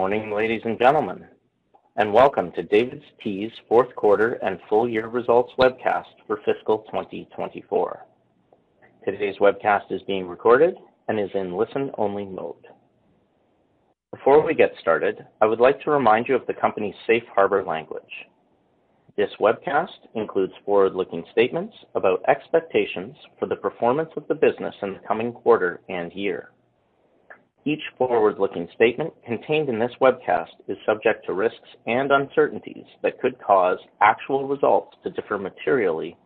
Good morning, ladies and gentlemen, and welcome to DAVIDsTEA's fourth quarter and full year results webcast for fiscal 2024. Today's webcast is being recorded and is in listen-only mode. Before we get started, I would like to remind you of the company's safe harbor language. This webcast includes forward-looking statements about expectations for the performance of the business in the coming quarter and year. Each forward-looking statement contained in this webcast is subject to risks and uncertainties that could cause actual results to differ materially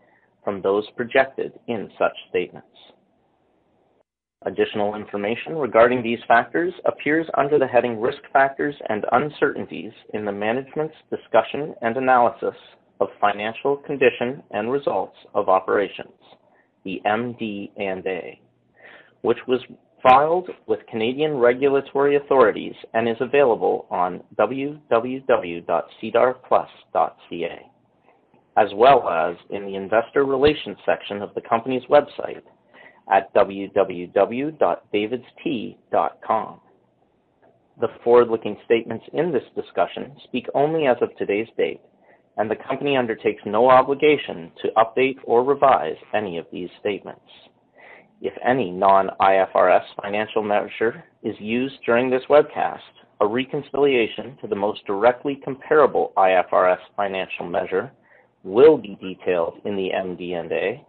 from those projected in such statements. Additional information regarding these factors appears under the heading Risk Factors and Uncertainties in the Management's Discussion and Analysis of Financial Condition and Results of Operations, the MD&A, which was filed with Canadian regulatory authorities and is available on www.sedarplus.ca, as well as in the Investor Relations section of the company's website at www.davidstea.com. The forward-looking statements in this discussion speak only as of today's date, and the company undertakes no obligation to update or revise any of these statements. If any non-IFRS financial measure is used during this webcast, a reconciliation to the most directly comparable IFRS financial measure will be detailed in the MD&A.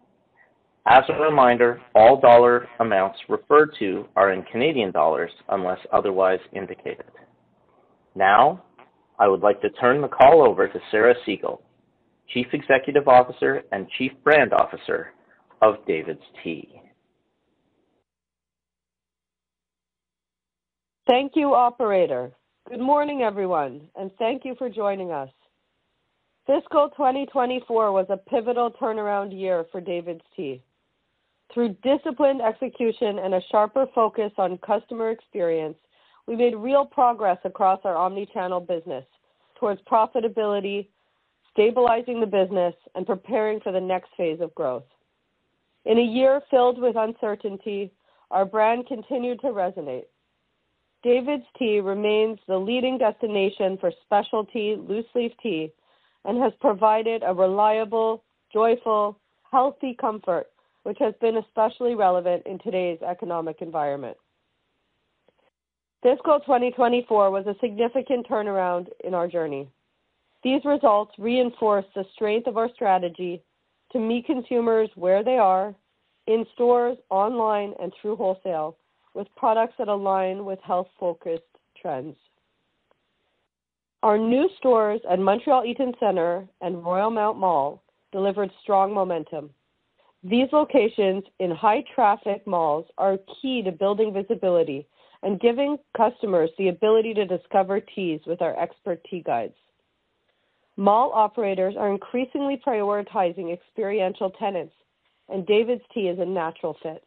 As a reminder, all dollar amounts referred to are in CAD unless otherwise indicated. Now, I would like to turn the call over to Sarah Segal, Chief Executive Officer and Chief Brand Officer of DAVIDsTEA. Thank you, Operator. Good morning, everyone, and thank you for joining us. Fiscal 2024 was a pivotal turnaround year for DAVIDsTEA. Through disciplined execution and a sharper focus on customer experience, we made real progress across our omnichannel business towards profitability, stabilizing the business, and preparing for the next phase of growth. In a year filled with uncertainty, our brand continued to resonate. DAVIDsTEA remains the leading destination for specialty loose-leaf tea and has provided a reliable, joyful, healthy comfort, which has been especially relevant in today's economic environment. Fiscal 2024 was a significant turnaround in our journey. These results reinforced the strength of our strategy to meet consumers where they are, in stores, online, and through wholesale, with products that align with health-focused trends. Our new stores at Montreal Eaton Centre and Royalmount Mall delivered strong momentum. These locations in high-traffic malls are key to building visibility and giving customers the ability to discover teas with our expert tea guides. Mall operators are increasingly prioritizing experiential tenants, and DAVIDsTEA is a natural fit.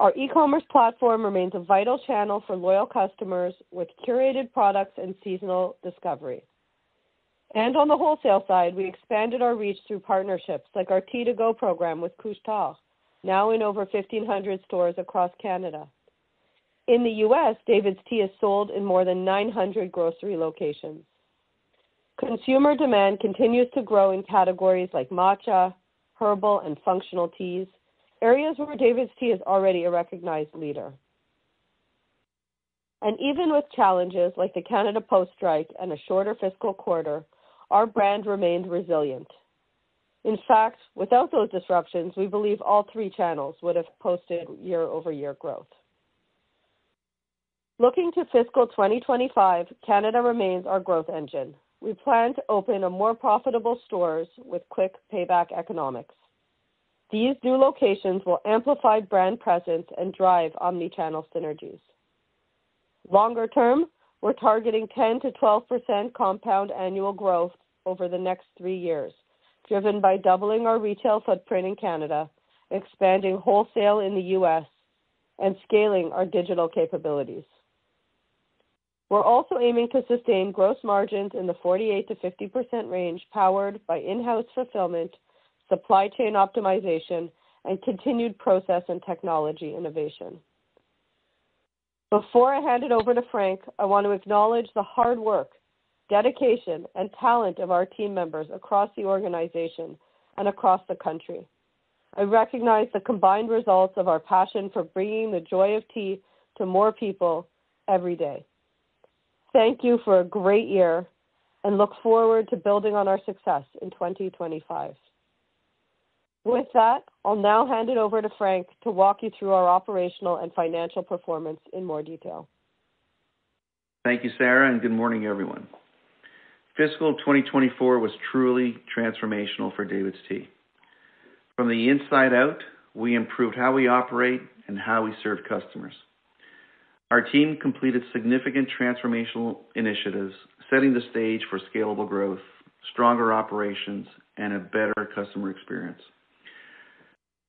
Our e-commerce platform remains a vital channel for loyal customers with curated products and seasonal discovery. On the wholesale side, we expanded our reach through partnerships like our Tea-2-Go program with Couche-Tard, now in over 1,500 stores across Canada. In the U.S., DAVIDsTEA is sold in more than 900 grocery locations. Consumer demand continues to grow in categories like matcha, herbal, and functional teas, areas where DAVIDsTEA is already a recognized leader. Even with challenges like the Canada Post strike and a shorter fiscal quarter, our brand remained resilient. In fact, without those disruptions, we believe all three channels would have posted year-over-year growth. Looking to fiscal 2025, Canada remains our growth engine. We plan to open more profitable stores with quick payback economics. These new locations will amplify brand presence and drive omnichannel synergies. Longer term, we're targeting 10%-12% compound annual growth over the next three years, driven by doubling our retail footprint in Canada, expanding wholesale in the U.S., and scaling our digital capabilities. We're also aiming to sustain gross margins in the 48%-50% range powered by in-house fulfillment, supply chain optimization, and continued process and technology innovation. Before I hand it over to Frank, I want to acknowledge the hard work, dedication, and talent of our team members across the organization and across the country. I recognize the combined results of our passion for bringing the joy of tea to more people every day. Thank you for a great year, and look forward to building on our success in 2025. With that, I'll now hand it over to Frank to walk you through our operational and financial performance in more detail. Thank you, Sarah, and good morning, everyone. Fiscal 2024 was truly transformational for DAVIDsTEA. From the inside out, we improved how we operate and how we serve customers. Our team completed significant transformational initiatives, setting the stage for scalable growth, stronger operations, and a better customer experience.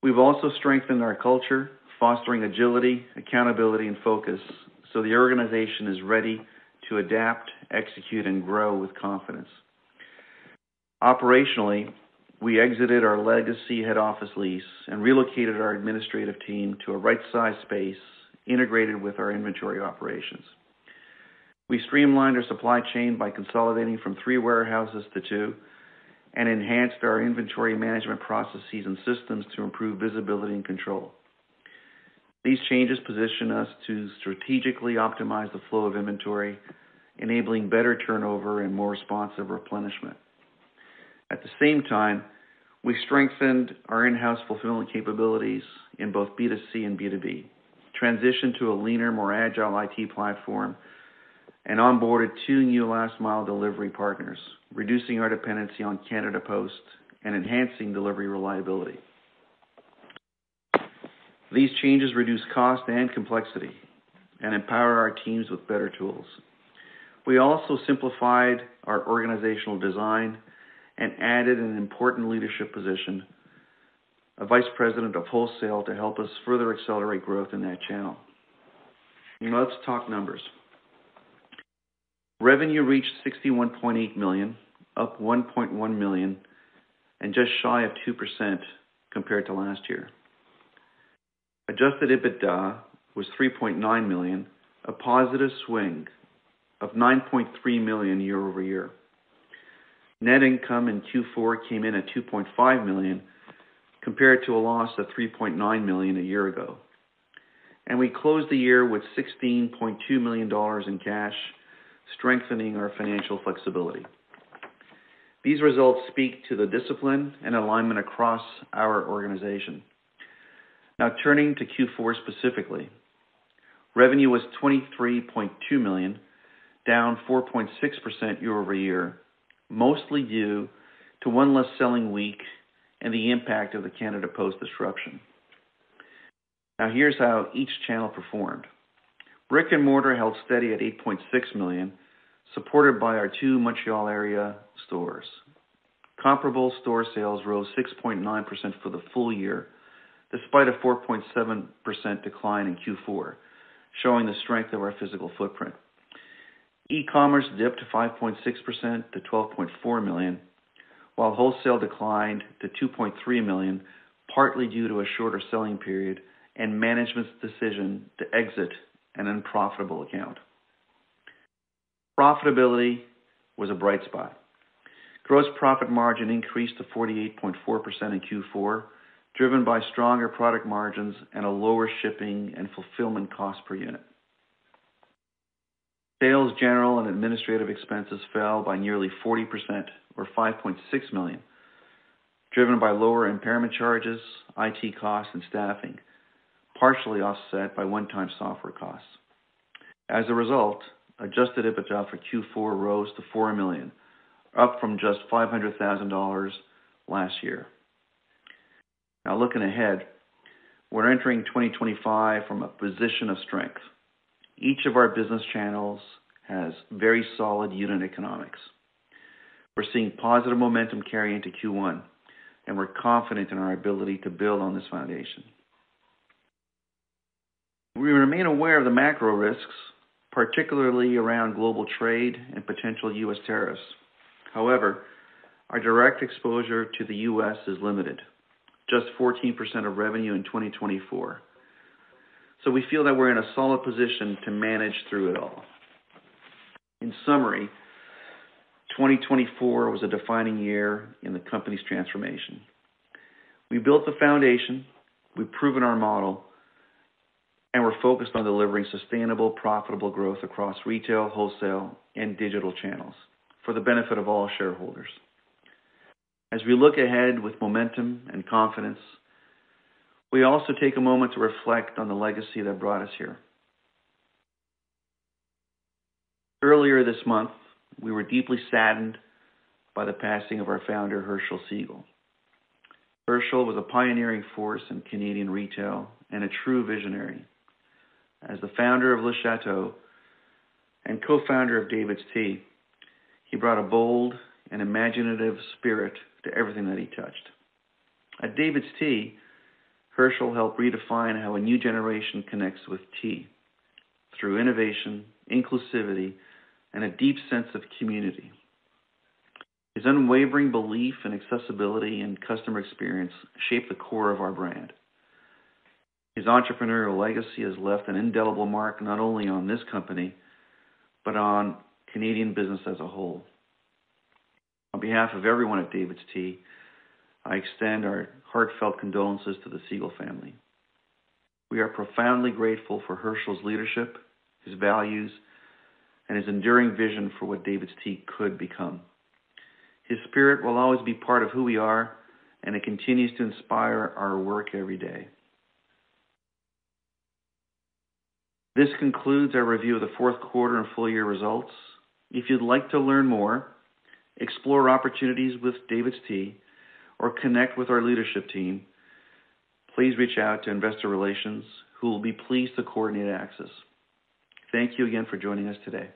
We've also strengthened our culture, fostering agility, accountability, and focus, so the organization is ready to adapt, execute, and grow with confidence. Operationally, we exited our legacy head office lease and relocated our administrative team to a right-sized space integrated with our inventory operations. We streamlined our supply chain by consolidating from three warehouses to two and enhanced our inventory management processes and systems to improve visibility and control. These changes position us to strategically optimize the flow of inventory, enabling better turnover and more responsive replenishment. At the same time, we strengthened our in-house fulfillment capabilities in both B2C and B2B, transitioned to a leaner, more agile IT platform, and onboarded two new last-mile delivery partners, reducing our dependency on Canada Post and enhancing delivery reliability. These changes reduce cost and complexity and empower our teams with better tools. We also simplified our organizational design and added an important leadership position, a Vice President of Wholesale, to help us further accelerate growth in that channel. Let's talk numbers. Revenue reached 61.8 million, up 1.1 million, and just shy of 2% compared to last year. Adjusted EBITDA was 3.9 million, a positive swing of 9.3 million year-over-year. Net income in Q4 came in at 2.5 million compared to a loss of 3.9 million a year ago. We closed the year with 16.2 million dollars in cash, strengthening our financial flexibility. These results speak to the discipline and alignment across our organization. Now, turning to Q4 specifically, revenue was 23.2 million, down 4.6% year-over-year, mostly due to one less selling week and the impact of the Canada Post disruption. Now, here's how each channel performed. Brick-and-mortar held steady at 8.6 million, supported by our two Montreal area stores. Comparable store sales rose 6.9% for the full year, despite a 4.7% decline in Q4, showing the strength of our physical footprint. E-commerce dipped 5.6% to 12.4 million, while wholesale declined to 2.3 million, partly due to a shorter selling period and management's decision to exit an unprofitable account. Profitability was a bright spot. Gross profit margin increased to 48.4% in Q4, driven by stronger product margins and a lower shipping and fulfillment cost per unit. Sales, general, and administrative expenses fell by nearly 40%, or 5.6 million, driven by lower impairment charges, IT costs, and staffing, partially offset by one-time software costs. As a result, adjusted EBITDA for Q4 rose to 4 million, up from just 500,000 dollars last year. Now, looking ahead, we're entering 2025 from a position of strength. Each of our business channels has very solid unit economics. We're seeing positive momentum carry into Q1, and we're confident in our ability to build on this foundation. We remain aware of the macro risks, particularly around global trade and potential U.S. tariffs. However, our direct exposure to the U.S. is limited, just 14% of revenue in 2024. We feel that we're in a solid position to manage through it all. In summary, 2024 was a defining year in the company's transformation. We built the foundation, we've proven our model, and we're focused on delivering sustainable, profitable growth across retail, wholesale, and digital channels for the benefit of all shareholders. As we look ahead with momentum and confidence, we also take a moment to reflect on the legacy that brought us here. Earlier this month, we were deeply saddened by the passing of our founder, Herschel Segal. Herschel was a pioneering force in Canadian retail and a true visionary. As the founder of Le Château and co-founder of DAVIDsTEA, he brought a bold and imaginative spirit to everything that he touched. At DAVIDsTEA, Herschel helped redefine how a new generation connects with tea through innovation, inclusivity, and a deep sense of community. His unwavering belief in accessibility and customer experience shaped the core of our brand. His entrepreneurial legacy has left an indelible mark not only on this company but on Canadian business as a whole. On behalf of everyone at DAVIDsTEA, I extend our heartfelt condolences to the Segal family. We are profoundly grateful for Herschel's leadership, his values, and his enduring vision for what DAVIDsTEA could become. His spirit will always be part of who we are, and it continues to inspire our work every day. This concludes our review of the fourth quarter and full-year results. If you'd like to learn more, explore opportunities with DAVIDsTEA, or connect with our leadership team, please reach out to Investor Relations, who will be pleased to coordinate access. Thank you again for joining us today.